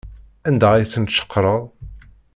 Anda ay tent-tceqreḍ?